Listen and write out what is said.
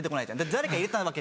誰か入れたわけ。